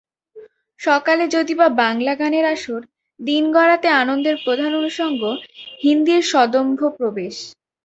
সকালে যদিবাবাংলা গানের আসর, দিন গড়াতে আনন্দের প্রধান অনুষঙ্গ হিন্দির সদম্ভ প্রবেশ।